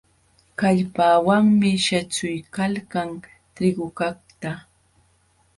Kallpawanmi saćhuykalkan trigukaqta.